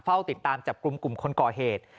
เฝ้าติดตามจากกลุ่มคนก่อเหตุ